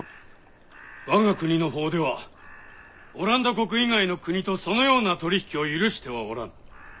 我が国の法ではオランダ国以外の国とそのような取り引きを許してはおらぬ。